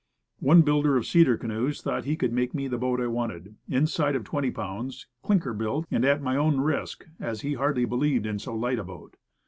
One builder of cedar canoes thought he could make me the boat I wanted, inside of 20 pounds, clinker built, and at my own risk, as he hardly believed in so light a boat.